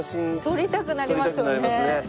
撮りたくなりますよね。